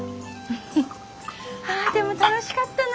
フフあでも楽しかったな。